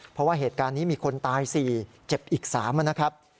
เพราะว่าเหตุการณ์นี้มีคนตาย๔เจ็บอีก๓นะครับ